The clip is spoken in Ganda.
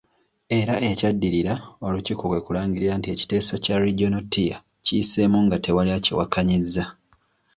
Era ekyaddirira, olukiiko kwekulangirira nti ekiteeso kya Regional Tier kiyiseemu nga tewali akiwakannyiza.